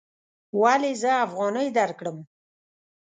ولې زه افغانۍ درکړم؟